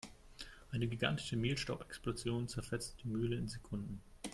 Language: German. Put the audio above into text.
Eine gigantische Mehlstaubexplosion zerfetzte die Mühle in Sekunden.